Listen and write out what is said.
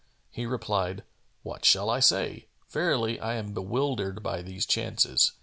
He replied, "What shall I say? Verily, I am bewildered by these chances!"